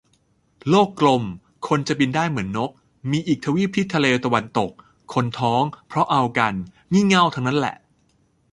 โลกกลม คนจะบินได้เหมือนนก มีอีกทวีปที่ทะเลตะวันตก คนท้องเพราะเอากัน งี่เง่าทั้งนั้นแหละ